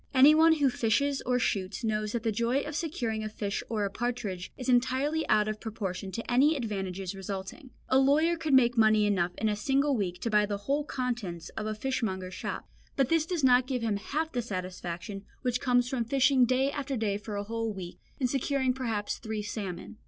Anyone who fishes and shoots knows that the joy of securing a fish or a partridge is entirely out of proportion to any advantages resulting. A lawyer could make money enough in a single week to buy the whole contents of a fishmonger's shop, but this does not give him half the satisfaction which comes from fishing day after day for a whole week, and securing perhaps three salmon.